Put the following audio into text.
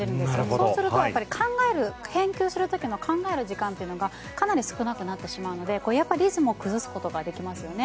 そうすると返球する時に考える時間がかなり少なくなってしまうのでリズムを崩すことができますよね。